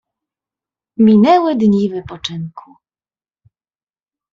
Minęły dni wypoczynku.